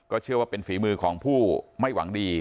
เชื่อว่าเป็นฝีมือของผู้ไม่หวังดี